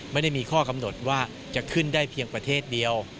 ไม่ได้มีข้อกำหนดว่าจะขึ้นได้เพียงประเทศเดียว